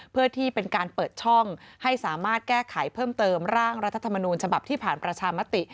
เพื่อที่เป็นการเปิดช่องให้สามารถแก้ไขเพิ่มเติมร่างรัฐธรรมนูญฉบับที่ผ่านประชามติ